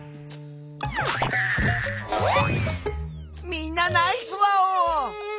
みんなナイスワオ！